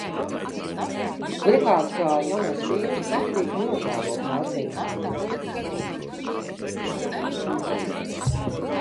Liekās, ka jaunais vīrs pamatīgi nožēlo pārsteidzīgās precības, un tagad nezin kā atrast izeju.